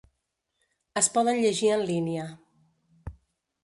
Es poden llegir en línia.